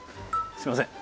すいません。